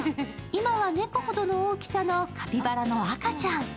今は猫ほどの大きさのカピバラの赤ちゃん。